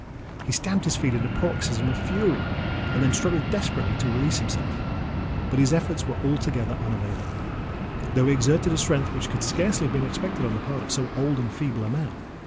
He stamped his feet in a paroxysm of fury, and then struggled desperately to release himself: but his efforts were altogether unavailing—though he exerted a strength which could scarcely have been expected on the part of so old and feeble a man.